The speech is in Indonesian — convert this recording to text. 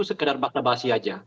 sekadar bahasa basi saja